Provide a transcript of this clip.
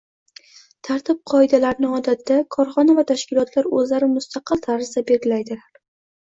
tartib-qoidalarni odatda, korxona va tashkilotlar o‘zlari mustaqil tarzda belgilaydilar.